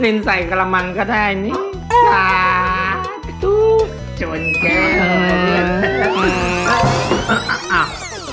กินใส่กลมันก็ได้นี่ค่ะจุดการ